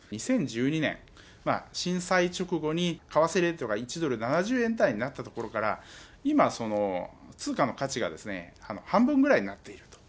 ２０１２年、震災直後に為替レートが１ドル７０円単位になったところから、今、通貨の価値が半分ぐらいになっている。